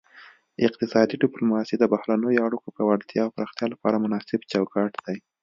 اقتصادي ډیپلوماسي د بهرنیو اړیکو پیاوړتیا او پراختیا لپاره مناسب چوکاټ دی